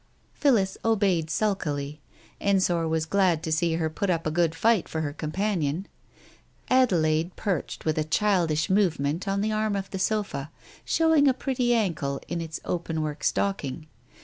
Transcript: Phillis obeyed sulkily. Ensor was glad to see her put up a good fight for her companion. Adelaide perched with a childish movement on the arm of the sofa, showing a pretty ankle in its openwork stocking.